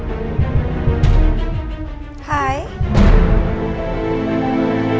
biar nanti kita bisa jalan jalan lagi